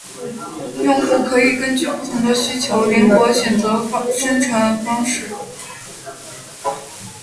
用户可以根据不同的需求灵活选择生成方式